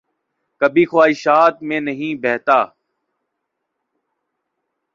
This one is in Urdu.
کبھی خواہشات میں نہیں بہتا